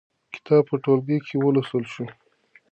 کتاب په ټولګي کې ولوستل شو.